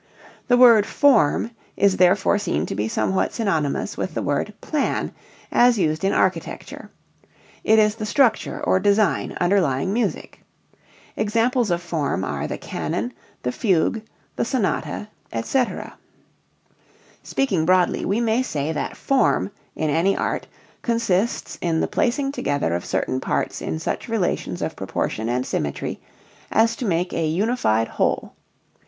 The word form is therefore seen to be somewhat synonymous with the word plan as used in architecture; it is the structure or design underlying music. Examples of form are the canon, the fugue, the sonata, etc. Speaking broadly we may say that form in any art consists in the placing together of certain parts in such relations of proportion and symmetry as to make a unified whole.